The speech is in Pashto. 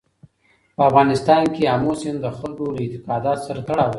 په افغانستان کې آمو سیند د خلکو له اعتقاداتو سره تړاو لري.